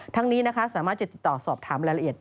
ทั้งนี้นะคะสามารถจะติดต่อสอบถามรายละเอียด